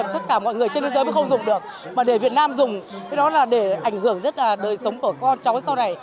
trên thế giới mới không dùng được mà để việt nam dùng thế đó là để ảnh hưởng rất là đời sống của con cháu sau này